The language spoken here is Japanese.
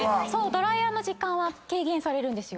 ドライヤーの時間は軽減されるんです。